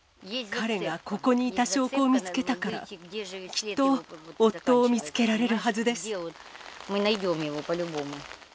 彼がここにいた証拠を見つけたから、きっと夫を見つけられるはずです。